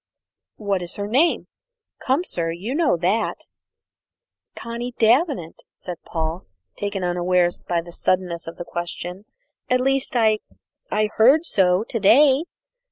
"What is her name? Come, sir, you know that." "Connie Davenant," said Paul, taken unawares by the suddenness of the question. "At least, I I heard so to day."